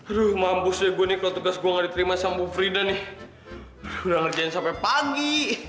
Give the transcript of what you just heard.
aduh mampu sih gue nih kalau tugas gue gak diterima sama bu frida nih udah ngerjain sampai pagi